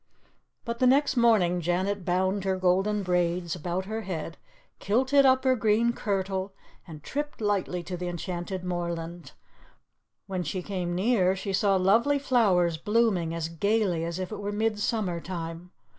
But the next morning Janet bound her golden braids about her head, kilted up her green kirtle, and tripped lightly to the enchanted moorland. When she came near she saw lovely flowers blooming as gaily as if it were mid summer time.